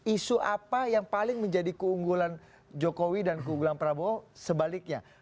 isu apa yang paling menjadi keunggulan jokowi dan keunggulan prabowo sebaliknya